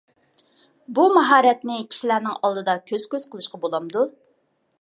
بۇ ماھارەتنى كىشىلەرنىڭ ئالدىدا كۆز - كۆز قىلىشقا بولامدۇ؟